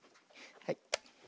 はい。